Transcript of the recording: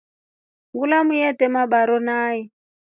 Ngulamu yete mabaaro nai.